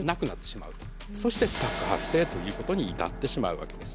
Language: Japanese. そしてスタック発生ということに至ってしまうわけです。